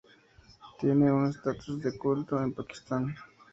Tiene un estatus de culto en Pakistán.